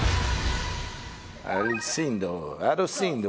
アルシンド！